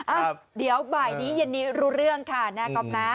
อ่ะเดี๋ยวบ่ายนี้เย็นนี้รู้เรื่องค่ะหน้าก๊อฟนะ